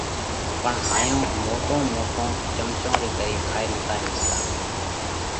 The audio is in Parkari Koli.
پڻ هائيون موٽون موٽون چمچون ري ڪري کائي نتا هيڪتا۔